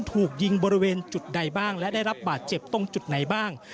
ถูกยิงบริเวณจุดใดบ้างและได้รับบาดเจ็บตรงจุดไหนบ้าง